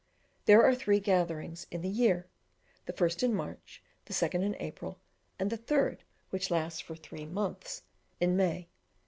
There are three gatherings in the year; the first in March, the second in April, and the third, which lasts for three months, in May.